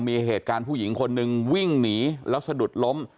มีเหตุการณ์ผู้หญิงคนหนึ่งวิ่งหนีแล้วสะดุดล้ม